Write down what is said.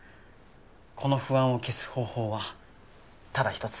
この不安を消す方法はただ一つ。